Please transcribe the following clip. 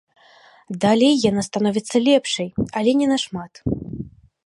Далей яна становіцца лепшай, але не нашмат.